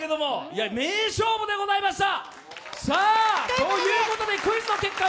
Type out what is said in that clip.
名勝負でございました。